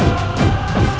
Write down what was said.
aku akan menang